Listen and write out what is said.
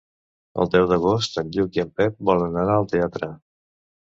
El deu d'agost en Lluc i en Pep volen anar al teatre.